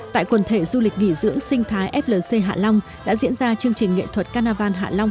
tại quần thể du lịch nghỉ dưỡng sinh thái flc hạ long đã diễn ra chương trình nghệ thuật carnival hạ long hai nghìn một mươi chín